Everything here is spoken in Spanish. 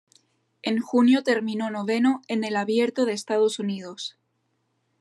En junio terminó noveno en el Abierto de Estados Unidos.